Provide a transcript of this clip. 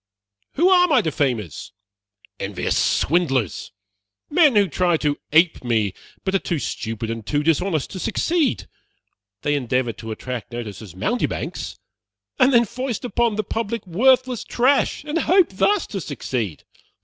Who are my defamers? Envious swindlers! Men who try to ape me, but are too stupid and too dishonest to succeed. They endeavor to attract notice as mountebanks, and then foist upon the public worthless trash, and hope thus to succeed.